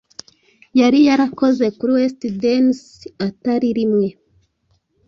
Yari yarakoze kuri West-Danes atari rimwe